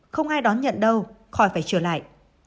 không ai đón nhận đâu khỏi phải trở lại